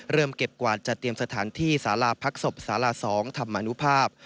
เก็บกวาดจัดเตรียมสถานที่สาราพักศพศาลา๒ธรรมนุภาพ